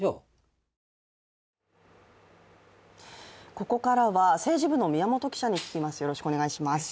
ここからは、政治部の宮本記者に聞きます。